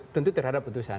tentu terhadap putusan